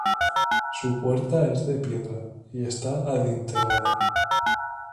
Su puerta es de piedra y está adintelada.